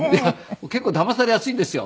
結構だまされやすいんですよ。